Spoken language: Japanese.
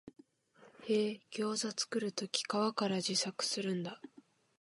へえ、ギョウザ作るとき皮から自作するんだ